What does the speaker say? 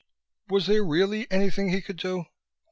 Was there really anything he could do?